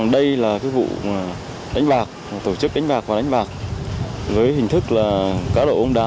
đây là vụ đánh bạc tổ chức đánh bạc và đánh bạc dưới hình thức là cá độ bóng đá